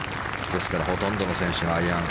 ですからほとんどの選手がアイアン。